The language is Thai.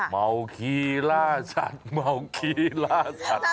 ค่ะมคีราศัตริย์มคีราศัตริย์ค่ะ